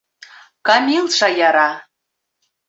КАМИЛ ШАЯРА